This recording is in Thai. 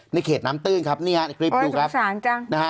ในเขตน้ำตื้นครับในคลิปดูครับโอ๊ยสงสารจัง